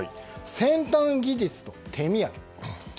先端技術と手土産。